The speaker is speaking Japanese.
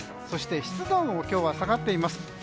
そして湿度も今日は下がっています。